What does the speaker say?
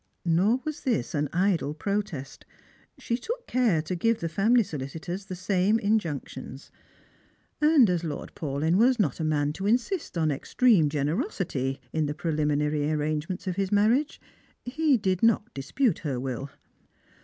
Nor was this an idle protest. She took care to give the family sohcitors the same injunctions; and as Lord Paulyn was not a man to insist on extreme generosity in the preliminary arrangements of his marriage, he did not dispute her will.